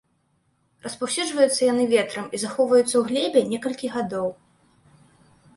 Распаўсюджваюцца яны ветрам і захоўваюцца ў глебе некалькі гадоў.